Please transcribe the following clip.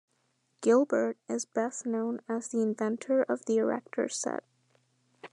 Gilbert is best known as the inventor of the Erector Set.